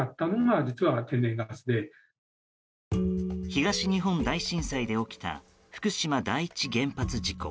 東日本大震災で起きた福島第一原発事故。